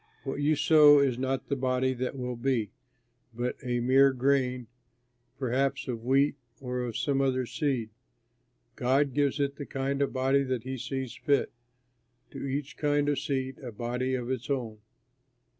What you sow is not the body that will be, but a mere grain, perhaps of wheat or of some other seed. God gives it the kind of body that he sees fit, to each kind of seed a body of its own.